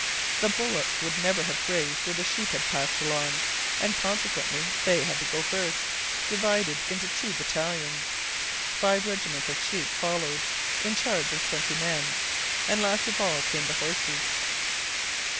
The bullocks would never have grazed where the sheep had passed along, and consequently they had to go first, divided into two battalions. Five regiments of sheep followed, in charge of twenty men, and last of all came the horses.